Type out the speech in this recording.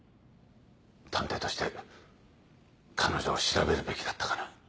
探偵として彼女を調べるべきだったかな。